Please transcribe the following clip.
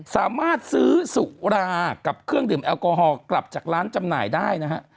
สามารถซื้อสุรากับเครื่องดื่มแอลกอฮอล์กลับจากร้านจำหน่ายได้นะฮะ